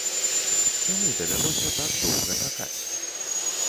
Чаму давялося так доўга чакаць?